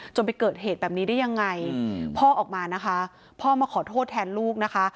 ไปเกิดเหตุแบบนี้ได้ยังไงพ่อออกมานะคะพ่อมาขอโทษแทนลูกนะคะ